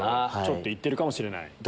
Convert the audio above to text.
ちょっと行ってるかもしれない？